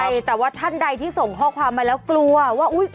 ใช่แต่ว่าท่านใดที่ส่งข้อความมาแล้วกลัวว่าอุ๊ย